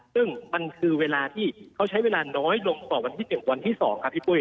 ซึ่งมันคือเวลาที่เขาใช้เวลาน้อยลงกว่าวันที่๑วันที่๒ครับพี่ปุ้ย